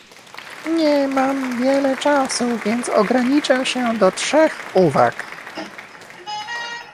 Nie mam wiele czasu, więc ograniczę się do trzech uwag